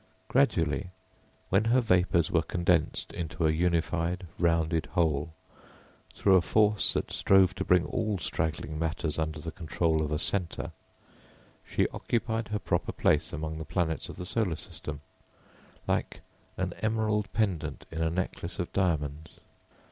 Gradually, when her vapours were condensed into a unified rounded whole through a force that strove to bring all straggling matters under the control of a centre, she occupied her proper place among the planets of the solar system, like an emerald pendant in a necklace of diamonds.